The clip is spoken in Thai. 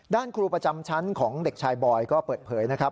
ครูประจำชั้นของเด็กชายบอยก็เปิดเผยนะครับ